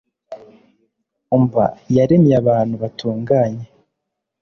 umb yaremye abantu batunganye